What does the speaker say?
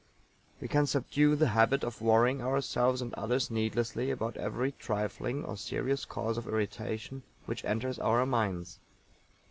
_We can subdue the habit of worrying ourselves and others needlessly about every trifling or serious cause of irritation which enters our minds_.